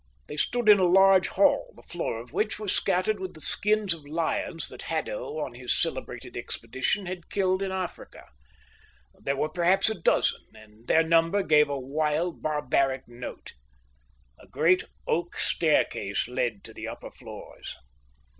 They stood in a large hall, the floor of which was scattered with the skins of lions that Haddo on his celebrated expedition had killed in Africa. There were perhaps a dozen, and their number gave a wild, barbaric note. A great oak staircase led to the upper floors.